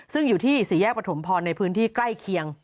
ซึ่งอยู่ที่สี่แยกประถมพรในพื้นที่ใกล้เคียง